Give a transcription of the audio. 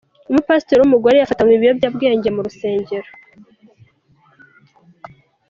Umupasitori w’umugore yafatanywe ibiyobyabwenge mu rusengero